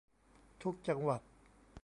ทุกจังหวัด